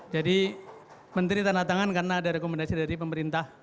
jadi menteri tanda tangan karena ada rekomendasi dari pemerintah